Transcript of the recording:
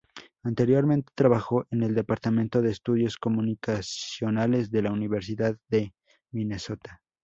Anteriormente, trabajó en el Departamento de Estudios Comunicacionales de la Universidad de Minnesota.